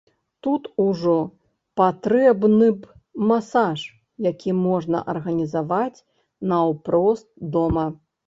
Тут ужо патрэбны б масаж, які можна арганізаваць наўпрост дома.